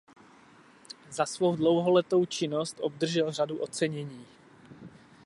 Za svou dlouholetou činnost obdržel řadu ocenění.